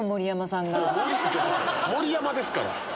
盛山ですから！